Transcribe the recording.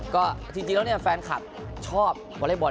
ก็จริงแล้วเนี่ยแฟนคลับชอบวอเล็กบอล